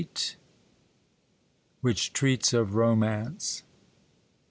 WHICH TREATS OF ROMANCE.